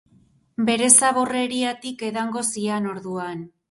Bere zaborreriatik edango zian, orduan.